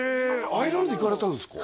アイルランド行かれたんですか？